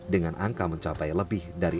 dengan angka mencapai lebih dari